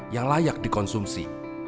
yang layak dikonsumsi